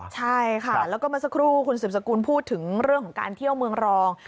ใช่ค่ะแล้วก็เมื่อสักครู่คุณสืบสกุลพูดถึงเรื่องของการเที่ยวเมืองรอง